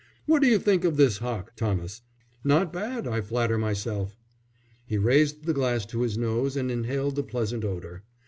"What do you think of this hock, Thomas? Not bad, I flatter myself." He raised the glass to his nose and inhaled the pleasant odour.